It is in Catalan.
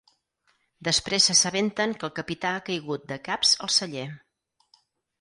Després s'assabenten que el capità ha caigut de caps al celler.